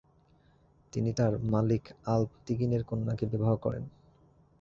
তিনি তার মালিক আল্প তিগিনের কন্যাকে বিবাহ করেন।